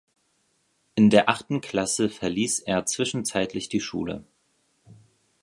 In der achten Klasse verließ er zwischenzeitlich die Schule.